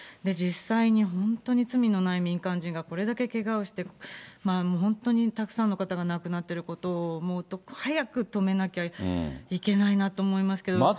実際に本当に罪のない民間人がこれだけけがをして、本当にたくさんの方が亡くなってることを思うと、早く止めなきゃいけないなと思いますけど。